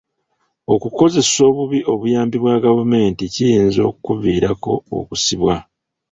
Okuzesa obubi obuyambi bwa gavumenti kiyinza okuviirako okusibwa.